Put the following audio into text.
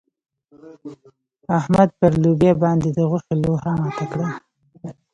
احمد پر لوبيا باندې د غوښې لوهه ماته کړه.